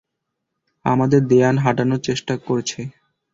আমাদের দেয়ান হাটানোর চেষ্টা করছে।